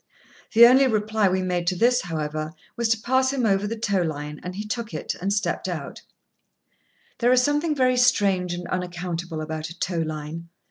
The only reply we made to this, however, was to pass him over the tow line, and he took it, and stepped out. [Picture: Dog wrapped in tow line] There is something very strange and unaccountable about a tow line.